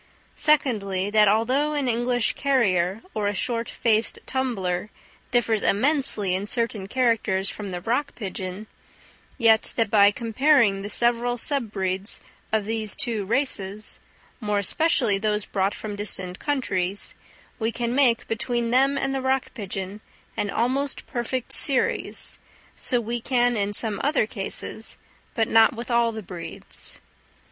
Secondly, that although an English carrier or a short faced tumbler differs immensely in certain characters from the rock pigeon, yet that by comparing the several sub breeds of these two races, more especially those brought from distant countries, we can make, between them and the rock pigeon, an almost perfect series; so we can in some other cases, but not with all the breeds.